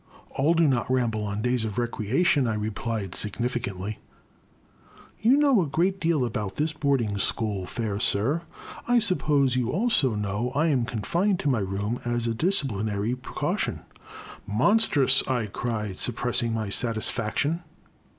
*' All do not ramble on days of recreation/* I replied significantly. You know a great deal about this boarding school, fair sir. I suppose you also know I am confined to my room as a disciplinary precau tion. " Monstrous !I cried, suppressing my satis faction.